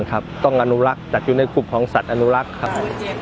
ขอบคุณครับ